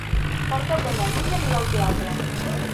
Per Cap d'Any na Núria anirà al teatre.